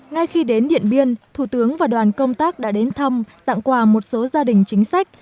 ngay khi đến điện biên thủ tướng và đoàn công tác đã đến thăm tặng quà một số gia đình chính sách